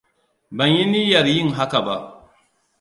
Ban yi niyyar yin haka ba.